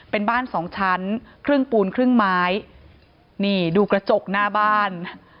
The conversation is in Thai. เป็นบ้านสองชั้นครึ่งปูนครึ่งไม้นี่ดูกระจกหน้าบ้าน